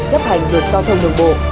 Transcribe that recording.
chấp hành lượt giao thông đường bộ